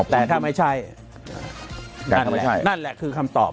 แต่ถ้าไม่ใช่นั่นแหละคือคำตอบ